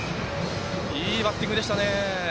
いいバッティングでしたね。